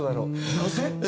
なぜ？